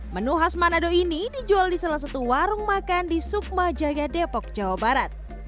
menu khas manado ini dijual di salah satu warung makan di sukma jaya depok jawa barat